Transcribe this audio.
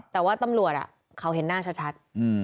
แต่ว่าตำรวจเขาเห็นหน้าชัด